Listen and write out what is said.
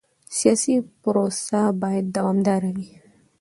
سیاسي پروسه باید دوامداره وي